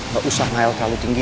gausah ngel terlalu tinggi